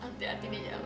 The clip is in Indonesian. hati hati di jalan ya